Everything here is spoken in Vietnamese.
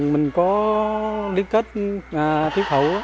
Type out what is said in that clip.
mình có liên kết thiếu thủ